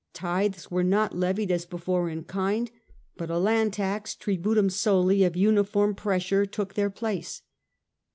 Tithes were not levied as before in kind, but a land tax (tributum soli) of uniform pressure took their place.